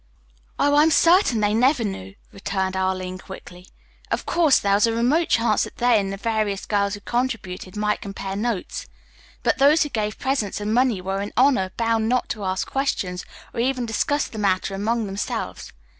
"Oh, I am certain they never knew," returned Arline quickly. "Of course, there was a remote chance that they and the various girls, who contributed might compare notes. But those who gave presents and money were in honor bound not to ask questions or even discuss the matter among themselves.